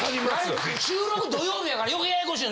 あれ収録土曜日やから余計ややこしい。